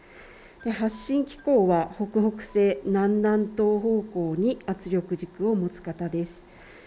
発震機構は北北西南南東方向に圧力軸を持つ型です。